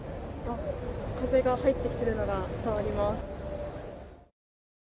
風が吹いているのが伝わります。